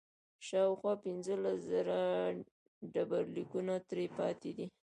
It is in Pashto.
شاوخوا پنځلس زره ډبرلیکونه ترې پاتې دي.